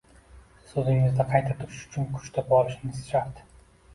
Siz o’zingizda qayta turish uchun kuch topa olishingiz shart!